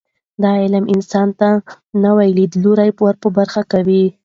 دا علم انسان ته نوي لیدلوري ور په برخه کوي.